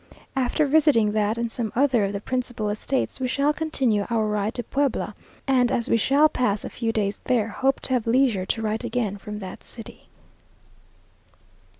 After visiting that and some other of the principal estates, we shall continue our ride to Puebla, and as we shall pass a few days there, hope to have leisure to write again from that city.